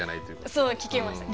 そう聞きました。